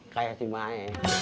kayak si mae